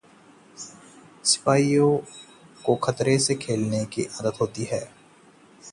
सिपाहियों को खतरे से खेलने की आदत होती है।